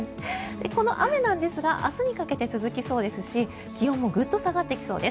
この雨なんですが明日にかけて続きそうですし気温もグッと下がっていきそうです。